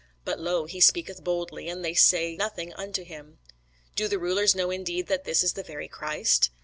But, lo, he speaketh boldly, and they say nothing unto him. Do the rulers know indeed that this is the very Christ?